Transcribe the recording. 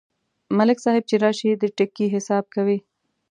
ملک صاحب چې راشي، د ټکي حساب کوي.